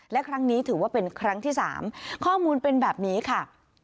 และครั้งนี้ถือว่าเป็นครั้งที่๓ข้อมูลเป็นแบบนี้ค่ะ